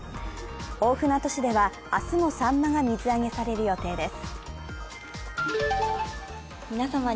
大船渡市では明日もさんまが水揚げされる予定です。